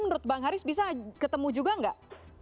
menurut bang haris bisa ketemu juga nggak